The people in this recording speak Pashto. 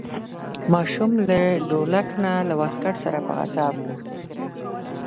ماشوم له ډولک نه له واسکټ سره په عذاب و.